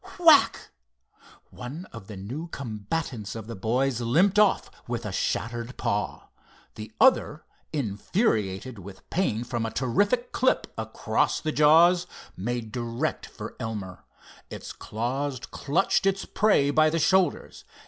whack! One of the new combatants of the boys limped off with a shattered paw. The other, infuriated with pain from a terrific clip across the jaws, made direct for Elmer. Its claws clutched its prey by the shoulders.